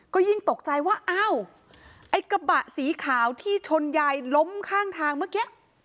ก็ยิ่งตกใจว่าอ้าวไอ้กระบะสีขาวที่ชนยายล้มข้างทางเมื่อกี้